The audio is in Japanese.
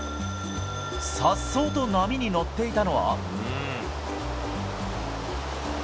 さっそうと波に乗っていたのは。